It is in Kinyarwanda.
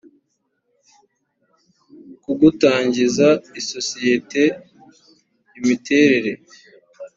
ku gutangiza isosiyete imiterere